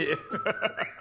ハハハハ。